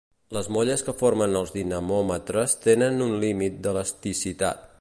Les molles que formen els dinamòmetres tenen un límit d'elasticitat.